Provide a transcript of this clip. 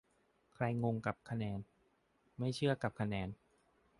ใครงงกับคะแนน ไม่เชื่อกับคะแนน